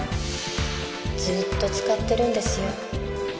ずっと使ってるんですよ。